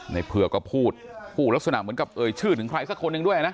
เผือกก็พูดพูดลักษณะเหมือนกับเอ่ยชื่อถึงใครสักคนหนึ่งด้วยนะ